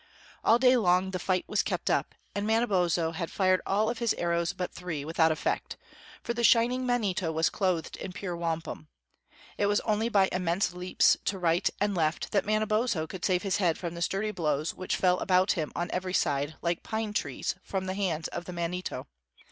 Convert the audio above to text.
All day long the fight was kept up, and Manabozho had fired all of his arrows but three, without effect; for the Shining Manito was clothed in pure wampum. It was only by immense leaps to right and left that Manabozho could save his head from the sturdy blows which fell about him on every side, like pine trees, from the hands of the Manito.